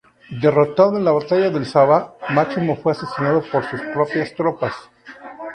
Derrotado en la batalla del Sava, Máximo fue asesinado por sus propias tropas.